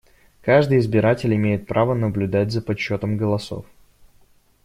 Каждый избиратель имеет право наблюдать за подсчётом голосов.